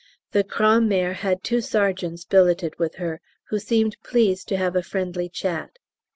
The grandmère had two sergeants billeted with her who seemed pleased to have a friendly chat.